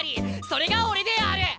それが俺である！